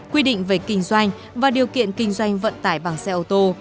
quy định về kinh doanh và điều kiện kinh doanh vận tải bằng xe ô tô